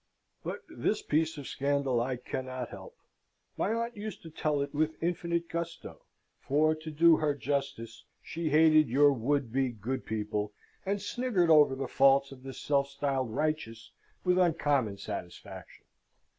But this piece of scandal I cannot help. My aunt used to tell it with infinite gusto; for, to do her justice, she hated your would be good people, and sniggered over the faults of the self styled righteous with uncommon satisfaction.